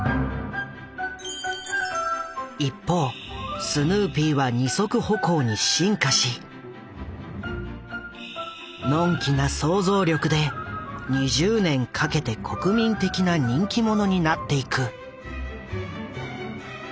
一方スヌーピーは２足歩行に進化しのんきな想像力で２０年かけて国民的な人気者になっていく。